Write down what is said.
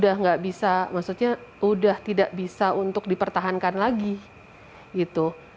dan beberapa kali kita konsul juga memang saya punya case itu udah tidak bisa untuk dipertahankan lagi gitu